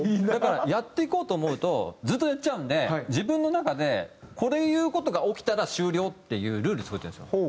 だからやっていこうと思うとずっとやっちゃうんで自分の中でこういう事が起きたら終了っていうルール作ってるんですよ。